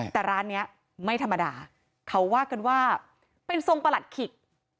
แต่ร้านนี้ไม่ธรรมดาเขาว่ากันว่าเป็นทรงประหลัดขิก